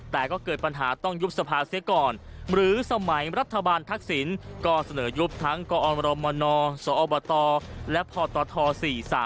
แต่ก็เกิดปัญหาต้องยุบสภาเสียก่อนหรือสมัยรัฐบาลทักษิณก็เสนอยุบทั้งกอมรมนสอบตและพตท๔๓